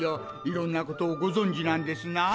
色んなことをご存じなんですなあ。